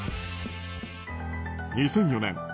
２００４年